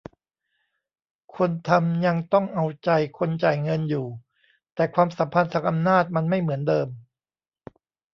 คนทำยังต้อง "เอาใจ" คนจ่ายเงินอยู่ แต่ความสัมพันธ์ทางอำนาจมันไม่เหมือนเดิม